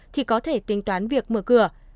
thì có thể tính toán việc mở cửa